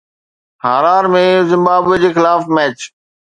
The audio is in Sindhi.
هارار ۾ زمبابوي جي خلاف ميچ